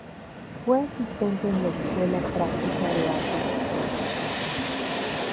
Fue asistente en la Escuela Práctica de Altos Estudios.